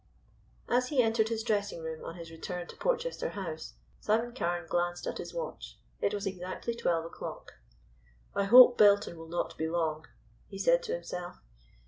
As he entered his dressing room on his return to Porchester House, Simon Carne glanced at his watch. It was exactly twelve o'clock. "I hope Belton will not be long," he said to himself.